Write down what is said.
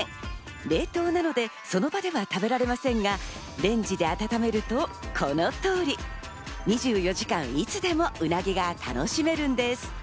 冷凍なのでその場では食べられませんが、レンジで温めるとこの通り。２４時間いつでもうなぎが楽しめるんです。